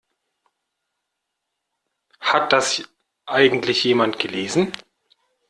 Hat das eigentlich jemand gelesen?